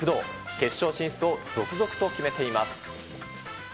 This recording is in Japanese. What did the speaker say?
決勝進出を続々と決めています。